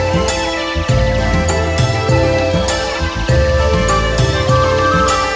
โชว์สี่ภาคจากอัลคาซ่าครับ